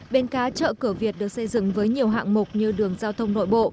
bến cá chợ cửa việt được xây dựng với nhiều hạng mục như đường giao thông nội bộ